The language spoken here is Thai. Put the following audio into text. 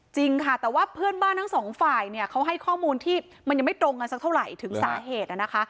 จริงค่ะแต่ว่าเพื่อนบ้านทั้งสองฝ่ายเนี่ยเขาให้ข้อมูลที่มันยังไม่ตรงกันสักเท่าไหร่ถึงสาเหตุนะคะ